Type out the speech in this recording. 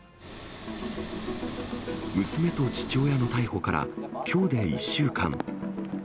娘と父親の逮捕からきょうで１週間。